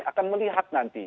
akan melihat nanti